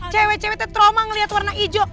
cewek ceweknya trauma ngelihat warna hijau